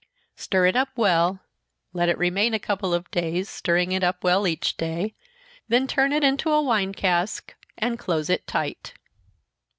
Stir it up well let it remain a couple of days, stirring it up well each day, then turn it into a wine cask, and close it tight.